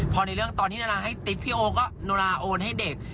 พอในเรื่องตอนที่นาราให้ติ๊บพี่โอก็โนราโอนให้เด็ก